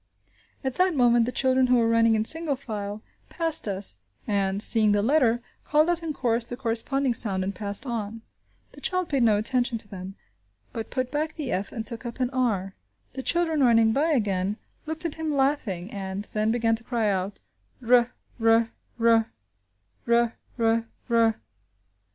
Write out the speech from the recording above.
At that moment the children, who were running in single file, passed us, and, seeing the letter, called out in chorus the corresponding sound and passed on. The child paid no attention to them, but put back the f and took up an r. The children running by again, looked at him laughing, and then began to cry out "r, r, r !